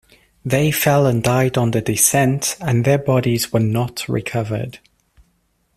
They fell and died on the descent, and their bodies were not recovered.